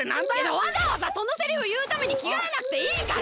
わざわざそのセリフいうためにきがえなくていいから！